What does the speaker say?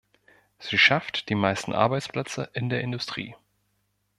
Sie schafft die meisten Arbeitsplätze in der Industrie.